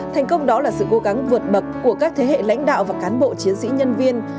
thành công đó là sự cố gắng vượt bậc của các thế hệ lãnh đạo và cán bộ chiến sĩ nhân viên